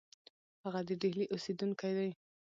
هغه د ډهلي اوسېدونکی دی.